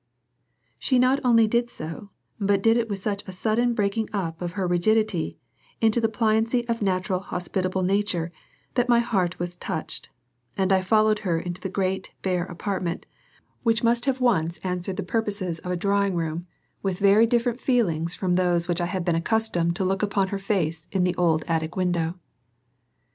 She not only did so, but did it with such a sudden breaking up of her rigidity into the pliancy of a naturally hospitable nature, that my heart was touched, and I followed her into the great bare apartment, which must have once answered the purposes of a drawing room, with very different feelings from those with which I had been accustomed to look upon her face in the old attic window.